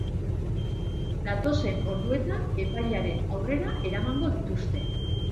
Datozen orduetan epailearen aurrera eramango dituzte.